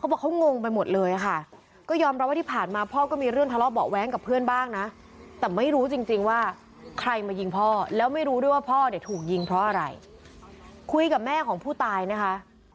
บอกเขางงไปหมดเลยค่ะก็ยอมรับว่าที่ผ่านมาพ่อก็มีเรื่องทะเลาะเบาะแว้งกับเพื่อนบ้างนะแต่ไม่รู้จริงจริงว่าใครมายิงพ่อแล้วไม่รู้ด้วยว่าพ่อเนี่ยถูกยิงเพราะอะไรคุยกับแม่ของผู้ตายนะคะ